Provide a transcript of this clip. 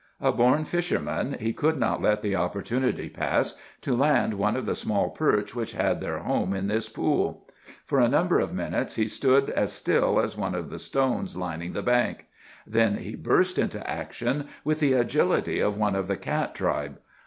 A born fisherman, he could not let the opportunity pass to land one of the small perch which had their home in this pool. For a number of minutes he stood as still as one of the stones lining the bank. Then he burst into action with the agility of one of the cat tribe.